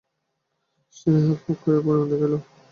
সে হাত ফাক করিয়া পরিমাণ দেখাইল।